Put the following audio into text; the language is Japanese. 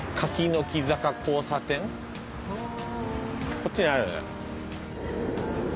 こっちにあるよね？